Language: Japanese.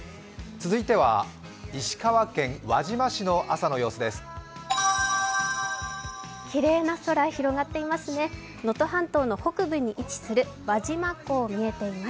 続いては石川県輪島市の朝の様子です。